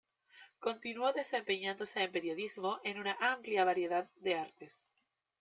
Continuó desempeñándose en periodismo en una amplia variedad de artes.